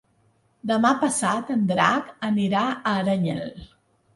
Demà passat en Drac anirà a Aranyel.